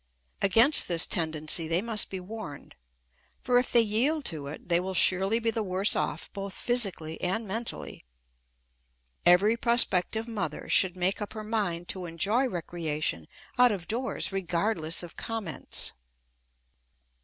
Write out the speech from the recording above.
Against this tendency they must be warned, for if they yield to it they will surely be the worse off both physically and mentally. Every prospective mother should make up her mind to enjoy recreation out of doors regardless of comments.